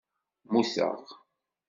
Mmuteɣ.